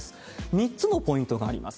３つのポイントがあります。